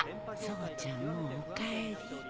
宗ちゃんもうお帰り。